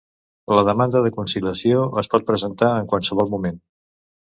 La demanda de conciliació es pot presentar en qualsevol moment.